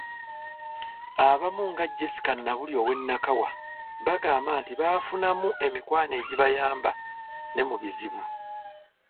Abamu nga Jesca Nabulya ow’e Nakawa, bagamba nti baafunamu emikwano egibayamba ne mu bizibu.